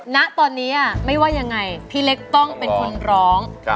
ณตอนนี้ไม่ว่ายังไงพี่เล็กต้องเป็นคนร้อง